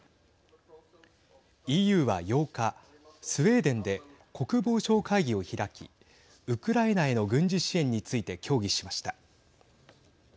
ＥＵは８日スウェーデンで国防相会議を開きウクライナへの軍事支援について協議しました。